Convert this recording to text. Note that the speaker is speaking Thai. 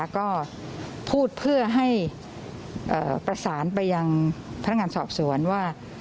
ก็พูดเพื่อให้ประสานไปยังพนักงานสอบสวนว่า